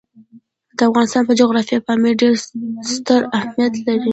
د افغانستان په جغرافیه کې پامیر ډېر ستر اهمیت لري.